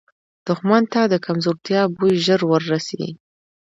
دښمن ته د کمزورتیا بوی ژر وررسي